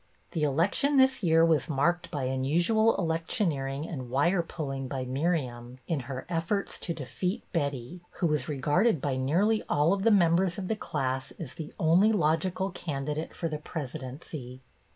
The election this year was marked by unusual electioneering and wire pulling by Miriam in her efforts to defeat Betty, who was regarded by nearly all of the members of the class as the only logical candidate for the presidency.